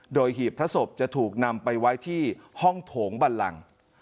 โดยหีบพระศพจะถูกนำไปไว้ที่ห้องโถงบันลัง